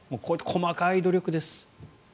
細かい努力です。